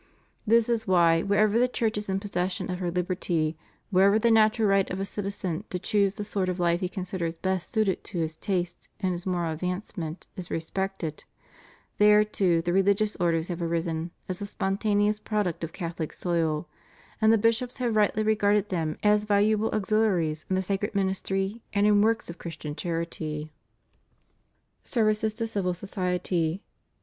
This is why wherever the Church is in possession of her liberty, wherever the natural right of a citizen to choose the sort of life he considers best suited to his taste and his moral advancement is respected, there, too, the re ligious orders have arisen as a spontaneous product of Catholic soil, and the bishops have rightly regarded them as valuable auxiUaries in the sacred ministry and in works of Christian charity. THE RELIGIOUS CONGREGATIONS IN FRANCE. 497 SERVICES TO CIVIL SOCIETY.